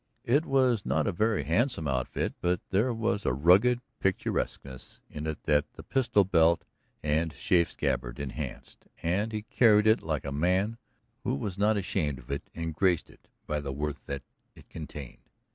It was not a very handsome outfit, but there was a rugged picturesqueness in it that the pistol belt and chafed scabbard enhanced, and he carried it like a man who was not ashamed of it, and graced it by the worth that it contained.